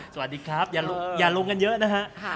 สวัสดีครับอย่าลงกันเยอะนะฮะ